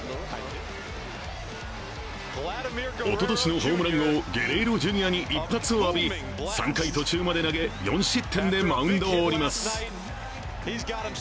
おととしのホームラン王、ゲレーロ・ジュニアに一発を浴び３回途中まで投げ、４失点でマウンドを降ります。